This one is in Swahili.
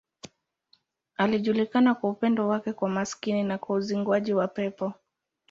Alijulikana kwa upendo wake kwa maskini na kwa uzinguaji wa pepo.